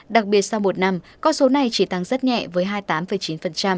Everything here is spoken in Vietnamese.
đặc biệt sau một năm con số này chỉ tăng rất nhẹ với hai mươi tám chín